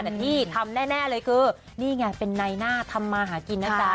แต่ที่ทำแน่เลยคือนี่ไงเป็นในหน้าทำมาหากินนะจ๊ะ